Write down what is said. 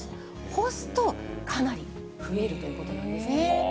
干すとかなり増えるということなんですね。